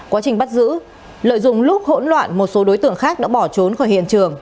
quá trình bắt giữ lợi dụng lúc hỗn loạn một số đối tượng khác đã bỏ trốn khỏi hiện trường